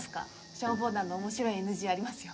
消防団の面白いＮＧありますよ。